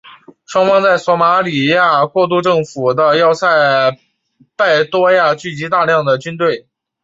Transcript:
双方在索马利亚过渡政府的要塞拜多亚附近聚集大量军队。